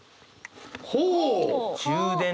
ほう！